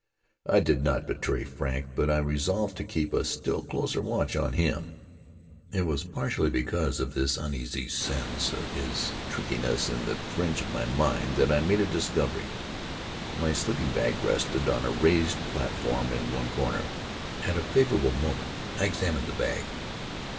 I did not betray Frank, but I resolved to keep a still closer watch on him. It was partially because of this uneasy sense of his trickiness in the fringe of my mind that I made a discovery. My sleeping bag rested on a raised platform in one corner, and at a favorable moment I examined the bag.